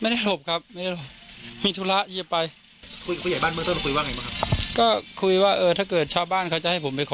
ทุกปีนะยืนยันว่าไม่ใช่ทุกปี